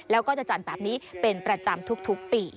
แล้วก็จะจัดแบบนี้เป็นประจำทุกปี